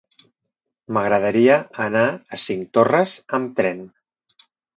M'agradaria anar a Cinctorres amb tren.